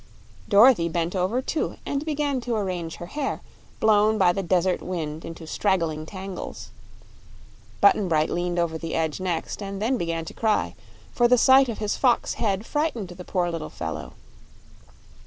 Dorothy bent over, too, and began to arrange her hair, blown by the desert wind into straggling tangles. Button Bright leaned over the edge next, and then began to cry, for the sight of his fox head frightened the poor little fellow.